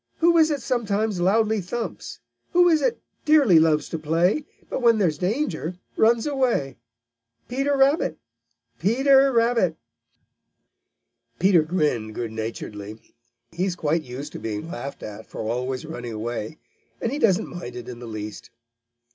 Who is it sometimes loudly thumps? Who is it dearly loves to play, But when there's danger runs away? Peter Rabbit! Peter Rabbit!" Peter grinned good naturedly. He is quite used to being laughed at for always running away, and he doesn't mind it in the least.